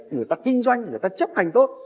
người ta kinh doanh người ta chấp hành tốt